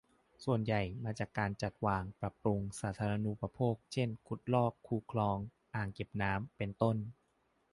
ส่วนใหญ่มาจากการจัดจ้าง ปรับปรุงสาธารณูปโภค เช่น ขุดลอก คู คลอง อ่างเก็บน้ำ เป็นต้น